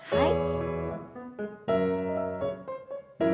はい。